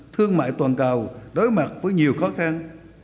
thương mại toàn cầu đối mặt với nhiều khó khăn